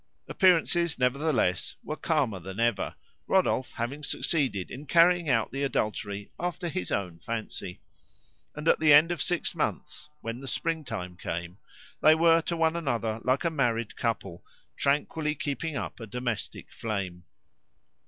Appearances, nevertheless, were calmer than ever, Rodolphe having succeeded in carrying out the adultery after his own fancy; and at the end of six months, when the spring time came, they were to one another like a married couple, tranquilly keeping up a domestic flame.